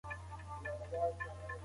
زه اوږده وخت د ليکنو تمرين کوم وم.